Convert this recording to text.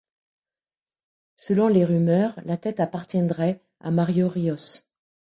Selon les rumeurs, la tête appartiendrait à Mario Rios.